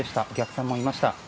お客さんもいました。